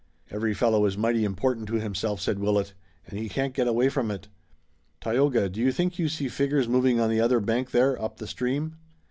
"Every fellow is mighty important to himself," said Willet, "and he can't get away from it. Tayoga, do you think you see figures moving on the other bank there, up the stream?"